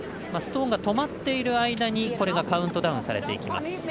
ストーンが止まっている間にこれがカウントダウンされていきます。